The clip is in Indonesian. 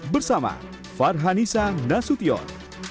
bersama farhanisa nasution